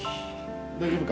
大丈夫か。